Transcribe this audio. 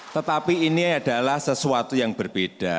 tetapi ini adalah sesuatu yang berbeda